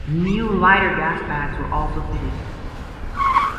New, lighter, gasbags were also fitted.